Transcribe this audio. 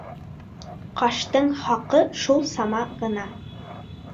Ҡаштың хаҡы шул сама ғына.